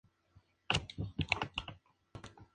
Sin embargo, ella no logra decidirse.